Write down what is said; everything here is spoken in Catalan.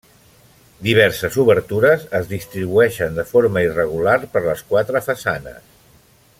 Diverses obertures es distribueixen de forma irregular per les quatre façanes.